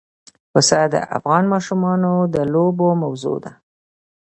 پسه د افغان ماشومانو د لوبو موضوع ده.